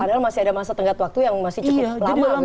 padahal masih ada masa tenggat waktu yang masih cukup lama